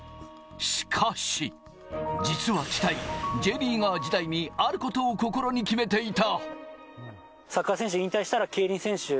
しかし、実は北井、Ｊリーガー時代にあることを心に決めていた。